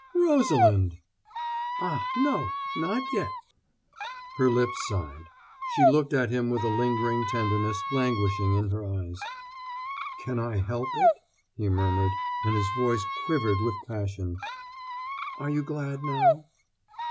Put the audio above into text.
"Rosalind!" "Ah, no not yet." Her lips sighed. She looked at him with a lingering tenderness languishing in her eyes. "Can I help it?" he murmured, and his voice quivered with passion. "Are you glad now?"